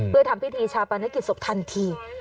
เพื่อทำพิธีชาปนกิจศพทันที